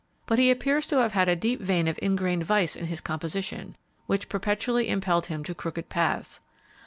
But he appears to have had a deep vein of ingrained vice in his composition, which perpetually impelled him to crooked paths.